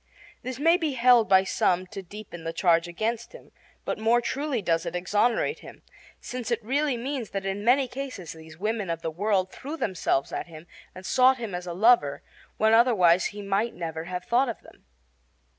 This may be held by some to deepen the charge against him; but more truly does it exonerate him, since it really means that in many cases these women of the world threw themselves at him and sought him as a lover, when otherwise he might never have thought of them.